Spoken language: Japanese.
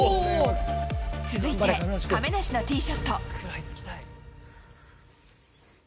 続いて亀梨のティーショット。